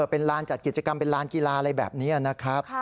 เป็นลานจัดกิจกรรมเป็นลานกีฬาอะไรแบบนี้นะครับ